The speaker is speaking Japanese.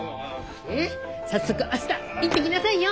ねっ早速明日行ってきなさいよ！